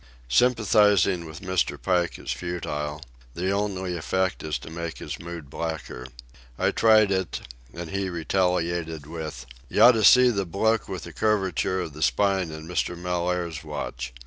Sympathizing with Mr. Pike is futile; the only effect is to make his mood blacker. I tried it, and he retaliated with: "You oughta see the bloke with curvature of the spine in Mr. Mellaire's watch.